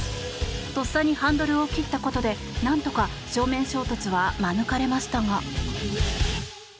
とっさにハンドルを切ったことで何とか正面衝突は免れましたが。